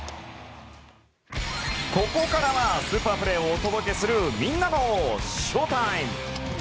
ここからはスーパープレーをお届けするみんなのＳＨＯＷＴＩＭＥ！